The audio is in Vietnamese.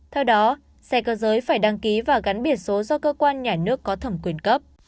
theo đó xe cơ giới phải đăng ký và gắn biển số do cơ quan nhà nước có thẩm quyền cấp